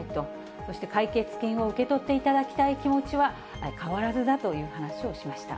そして解決金を受け取っていただきたい気持ちは変わらずだという話をしました。